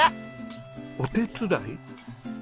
お手伝い？